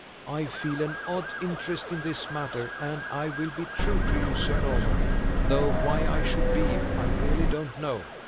I feel an odd interest in this matter, and I will be true to you, Sir Norman though why I should be, I really don't know.